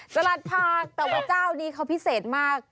สลัดผักแต่ว่าเจ้านี้เขาพิเศษมาก